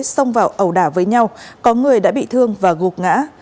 xông vào ẩu đả với nhau có người đã bị thương và gục ngã